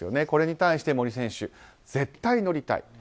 これに対して森選手絶対に乗りたい。